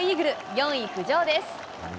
４位浮上です。